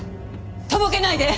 とぼけないで！